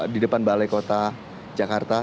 di depan balai kota jakarta